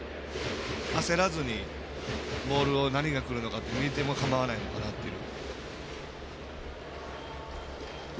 焦らずに、ボールを何がくるのか見てもかまわないのかなという。